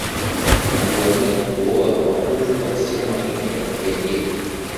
Aliwania kuoa kwa nguvu wasichana wanne wa Kiajemi